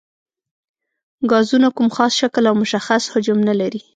ګازونه کوم خاص شکل او مشخص حجم نه لري.